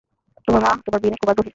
তোমার মা তোমার বিয়ে নিয়ে খুব আগ্রহী।